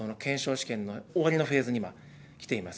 試験の終わりのフェーズに今、きています。